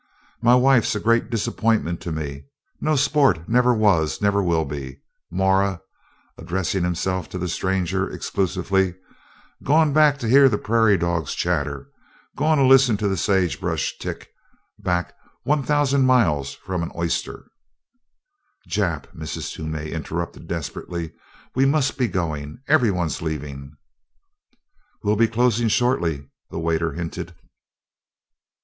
"My wife's a great disappointment to me no sport never was, never will be. 'Morra," addressing himself to the stranger exclusively, "goin' back to hear the prairie dogs chatter goin' listen to the sagebrush tick back one thousan' miles from an oyster " "Jap!" Mrs. Toomey interrupted desperately, "we must be going. Everyone's leaving." "We'll be closing shortly," the waiter hinted.